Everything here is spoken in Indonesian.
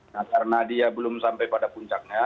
nah karena dia belum sampai pada puncaknya